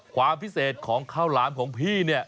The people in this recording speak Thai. ความพิเศษของข้าวหลามของพี่เนี่ย